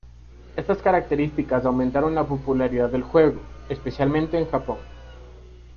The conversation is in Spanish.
Estas características aumentaron la popularidad del juego, especialmente en Japón.